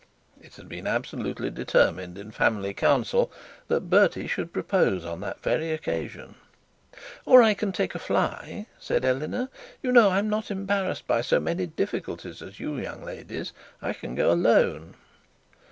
it had been absolutely determined in family council that Bertie should propose on that very occasion. 'Or I can take a fly,' said Eleanor. 'You know that I am not embarrassed by so many difficulties as you young ladies. I can go alone.'